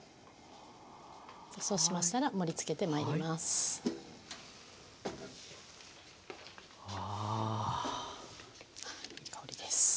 そうしましたら盛りつけてまいります。